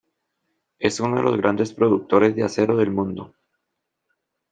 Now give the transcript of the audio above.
Es uno de los grandes productores de acero del mundo.